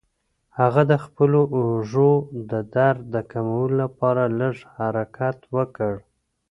هغه د خپلو اوږو د درد د کمولو لپاره لږ حرکت وکړ.